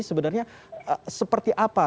sebenarnya seperti apa